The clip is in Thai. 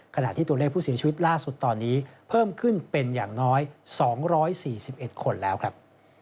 ขณะที่ตัวเลขผู้เสียชีวิตล่าสุดตอนนี้เพิ่มขึ้นเป็นอย่างน้อย๒๔๑คนแล้วครับ